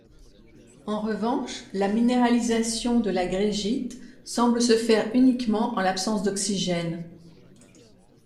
En revanche, la minéralisation de la greigite semble se faire uniquement en l’absence d’oxygène.